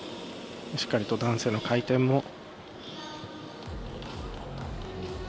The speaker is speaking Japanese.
しっかりと男性の回転も。